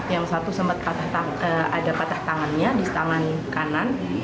yang satu sempat ada patah tangannya di tangan kanan